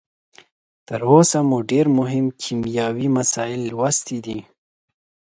تر اوسه مو ډیر مهم کیمیاوي مسایل لوستلي دي.